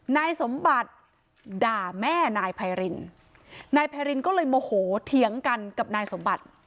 นายสมบัติด่าแม่นายไพรินนายไพรินก็เลยโมโหเถียงกันกับนายสมบัติ